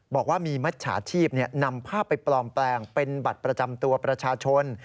บอกว่ามีมิจฉาชีพนำภาพไปปลอมแปลงเป็นบัตรประจำตัวประชาชน